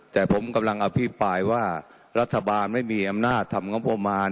แต่ผมกำลังอภิปรายว่ารัฐบาลไม่มีอำนาจทำงบประมาณ